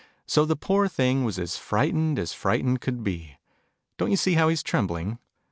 So the poor thing was as frightened as frightened could be ( Don't you see how lie's trembling